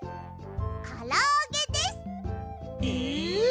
からあげです！え！？